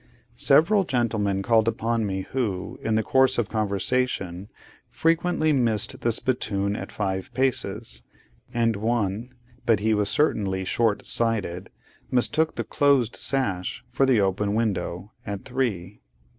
Several gentlemen called upon me who, in the course of conversation, frequently missed the spittoon at five paces; and one (but he was certainly short sighted) mistook the closed sash for the open window, at three.